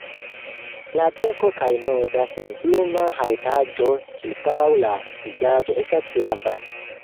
La beko kaj nuda senpluma haŭtaĵo ĉirkaŭ la vizaĝo estas flavaj.